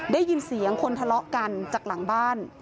ได้ยินเสียงคนทะเลาะกันจากหลังบ้าน